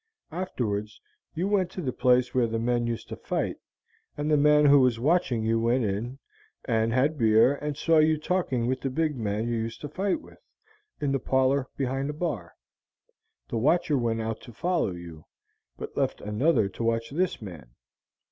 Afterwards you went to the place where the men used to fight, and the man who was watching you went in, and had beer, and saw you talking with the big man you used to fight with, in the parlor behind the bar. The watcher went out to follow you, but left another to watch this man.